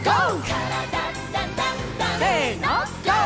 「からだダンダンダン」せのＧＯ！